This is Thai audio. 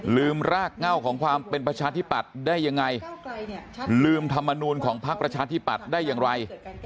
รากเง่าของความเป็นประชาธิปัตย์ได้ยังไงลืมธรรมนูลของพักประชาธิปัตย์ได้อย่างไร